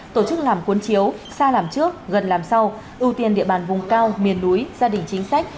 tổ chức làm cuốn chiếu xa làm trước gần làm sau ưu tiên địa bàn vùng cao miền núi gia đình chính sách